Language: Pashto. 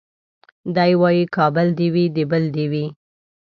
دی وايي کابل دي وي د بل دي وي